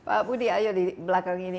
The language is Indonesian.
pak budi ayo di belakang ini